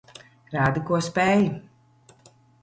Rādi, ko spēj.